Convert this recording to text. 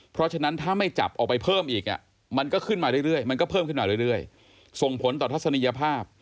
เพราะฉะนั้นถ้าไม่จับออกไปเพิ่มอีกมันก็ขึ้นมาเรื่อยมันก็เพิ่มขึ้นมาเรื่อยส่งผลต่อทัศนียภาพ